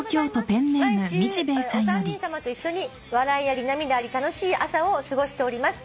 「毎週お三人さまと一緒に笑いあり涙あり楽しい朝を過ごしております」